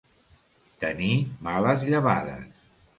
Tenir males llevades.